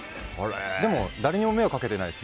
でも、誰にも迷惑かけてないです。